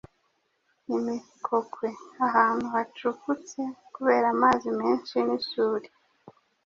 Imikokwe: ahantu hacukunyutse kubera amazi menshi n’isuri